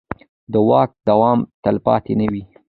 د واک دوام تلپاتې نه وي